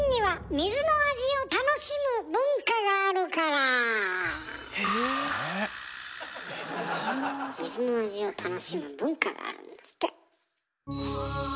水の味を楽しむ文化があるんですって。